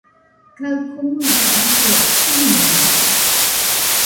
Kaɨ komuilla rafue uñoñedɨo